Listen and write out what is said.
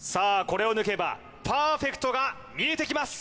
これを抜けばパーフェクトが見えてきます